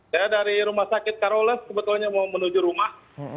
saya dari rumah sakit karoles sebetulnya mau menuju rumah